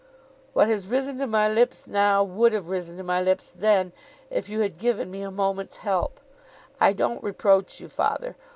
'What has risen to my lips now, would have risen to my lips then, if you had given me a moment's help. I don't reproach you, father.